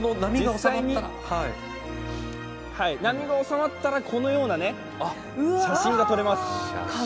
波が収まったら、このような写真が撮れます。